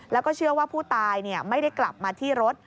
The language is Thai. แล้วก็เชื่อว่าผู้ตายไม่ได้กลับมาที่รถ